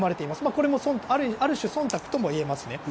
これもある種そんたくとも言えます。